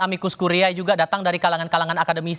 amikus kuria juga datang dari kalangan kalangan akademisi